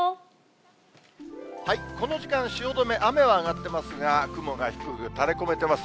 この時間、汐留、雨は上がってますが、雲が低く垂れこめてます。